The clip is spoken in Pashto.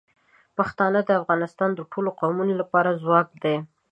پښتانه د افغانستان د ټولو قومونو لپاره ځواک دي.